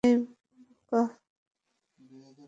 এই, রেবেকা।